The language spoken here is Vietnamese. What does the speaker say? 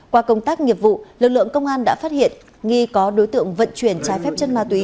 qua công tác nghiệp vụ lực lượng công an đã phát hiện nghi có đối tượng vận chuyển trái phép chất ma túy